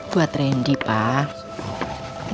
buat randy pak